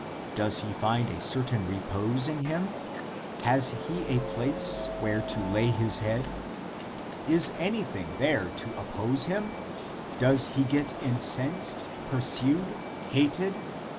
Does he find a certain repose in him? Has he a place where to lay his head? Is anything there to oppose him ? Does he get incensed — pursued — hated